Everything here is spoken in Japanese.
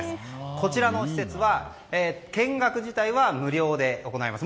こちらの施設は見学自体は無料で行えます。